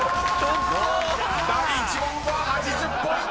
［第１問は８０ポイント！］